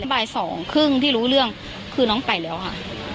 บ่ายสองครึ่งที่รู้เรื่องคือน้องไปแล้วค่ะ